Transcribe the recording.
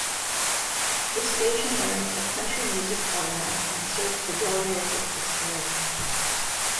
The station airs a country music format and serves the Del Rio, Texas area.